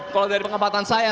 kalau dari pengamatan saya